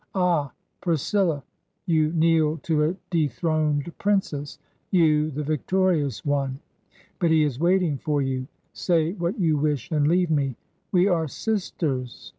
'Ah, PrisciUa! ... You kneel to a dethroned princess. You, the victorious one! But he is waiting for you. Say what you wish, and leave me.' 'We are sisters!'